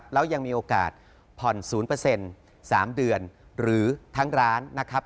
แล้วยังมีโอกาสผ่อน๐๓เดือนหรือทั้งร้านนะครับ